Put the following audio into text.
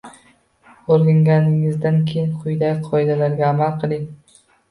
O’rganganingizdan keyin quyidagi qoidalarga amal qiling.